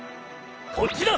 こっちだ！